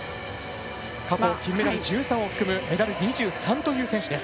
過去金メダル１３を含むメダル２３という選手。